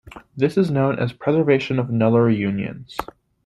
This is known as preservation of nullary unions.